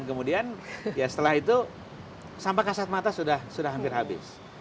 kemudian ya setelah itu sampah kasat mata sudah hampir habis